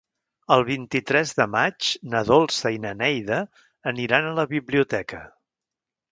El vint-i-tres de maig na Dolça i na Neida aniran a la biblioteca.